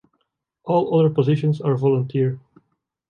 All other positions are volunteer.